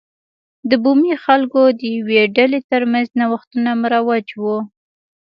د بومي خلکو د یوې ډلې ترمنځ نوښتونه مروج و.